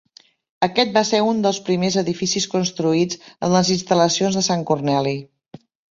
Aquest va ser un dels primers edificis construïts en les instal·lacions de Sant Corneli.